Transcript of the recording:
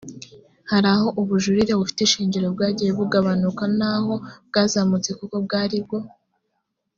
hari aho ubujurire bufite ishingiro bwagiye bugabanuka n aho bwazamutse kuko bwari muri bo